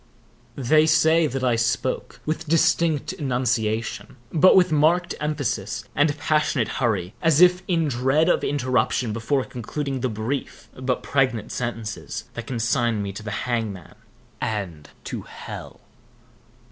They say that I spoke with a distinct enunciation, but with marked emphasis and passionate hurry, as if in dread of interruption before concluding the brief but pregnant sentences that consigned me to the hangman and to hell.